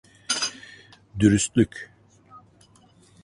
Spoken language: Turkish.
Dürüstlük.